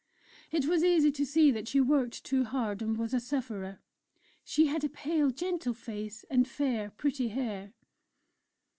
It was easy to see that she worked too hard and was a sufferer; she had a pale, gentle face and fair, pretty hair.